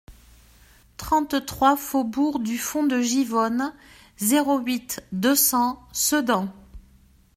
trente-trois faubourg du Fond de Givonne, zéro huit, deux cents, Sedan